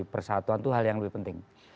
persatuan itu hal yang lebih penting